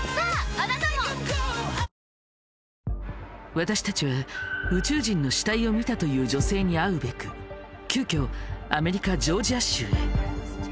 私たちは宇宙人の死体を見たという女性に会うべく急きょアメリカジョージア州へ。